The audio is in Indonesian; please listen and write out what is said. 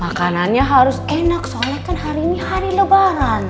makanannya harus enak soalnya kan hari ini hari lebaran